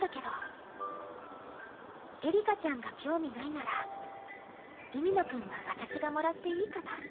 エリカちゃんが興味ないなら海野くんは私がもらっていいかな？